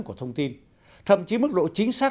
của thông tin thậm chí mức độ chính xác